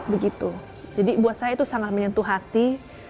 begitu jadi buat saya itu sangat menyentuh hati